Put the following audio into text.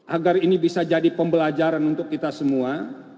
agar ini bisa jadi pembelajaran untuk kita semua